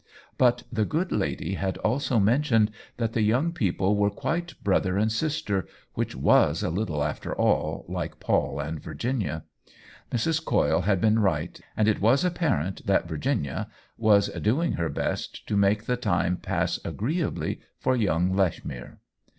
But the good lady OWEN WINGRAVE 201 had also mentioned that the young people were quite brother and sister, which was a little, after all, like Paul and Virginia. Mrs. Coyle had been right, and it was ap parent that Virginia was doing her best to make the time pass agreeably for young Lechmere.